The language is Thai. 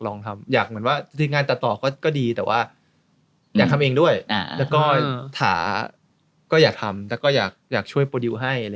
แล้วก็อยากช่วยโปรดิวให้